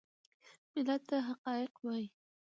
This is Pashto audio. ملت ته حقایق ووایي .